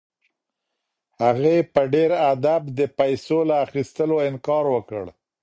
هغې په ډېر ادب د پیسو له اخیستلو انکار وکړ.